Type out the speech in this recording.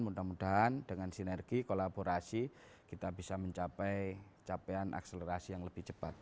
mudah mudahan dengan sinergi kolaborasi kita bisa mencapai capaian akselerasi yang lebih cepat